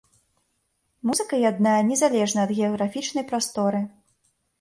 Музыка яднае незалежна ад геаграфічнай прасторы.